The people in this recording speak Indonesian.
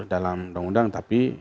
dalam undang undang tapi